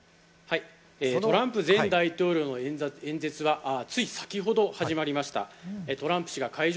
トランプ前大統領の演説はつい先程、始まりました。